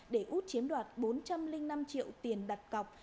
để út chiếm đoạt bốn trăm linh năm triệu tiền đặt cọc